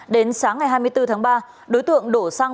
đến sáng ngày hai mươi bốn tháng ba đối tượng đổ xăng